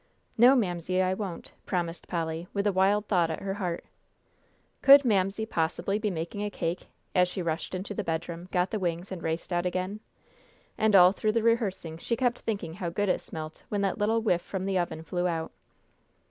"No, Mamsie, I won't," promised Polly, with a wild thought at her heart, "Could Mamsie possibly be making a cake?" as she rushed into the bedroom, got the wings, and raced out again. And all through the rehearsing she kept thinking how good it smelt when that little whiff from the oven flew out.